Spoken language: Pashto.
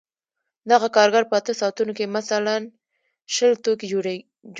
دغه کارګر په اته ساعتونو کې مثلاً شل توکي جوړ کړي